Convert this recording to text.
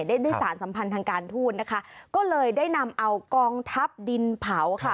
ได้ได้สารสัมพันธ์ทางการทูตนะคะก็เลยได้นำเอากองทัพดินเผาค่ะ